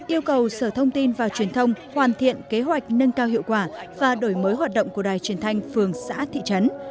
yêu cầu sở thông tin và truyền thông hoàn thiện kế hoạch nâng cao hiệu quả và đổi mới hoạt động của đài truyền thanh phường xã thị trấn